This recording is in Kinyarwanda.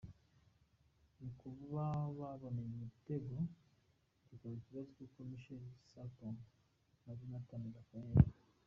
mu kuba babona igitego bikaba ikibazo kuko Michael Sarpong na Jonathan Raphael.